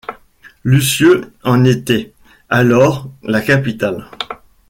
Lisieux en était, alors, la capitale.